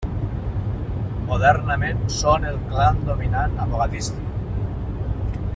Modernament són el clan dominant a Mogadiscio.